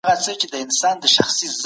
تکبر مه کوئ.